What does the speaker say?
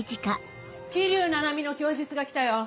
桐生菜々美の供述が来たよ。